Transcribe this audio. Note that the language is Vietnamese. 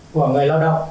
của người lao động